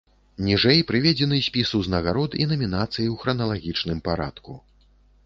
Ніжэй прыведзены спіс узнагарод і намінацый у храналагічным парадку.